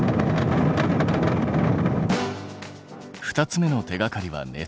２つ目の手がかりは熱。